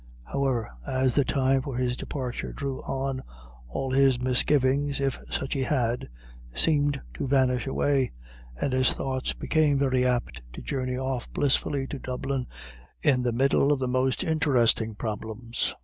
However, as the time for his departure drew on, all his misgivings, if such he had, seemed to vanish away, and his thoughts became very apt to journey off blissfully to Dublin in the middle of the most interesting problems.